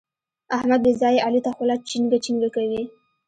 احمد بې ځايه علي ته خوله چينګه چینګه کوي.